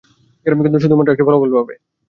কিন্তু শুধুমাত্র একটি ফলাফল পাবো।